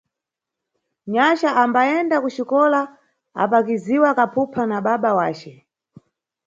Nyaxa ambayenda kuxikola apakiziwa kaphupha na baba wace.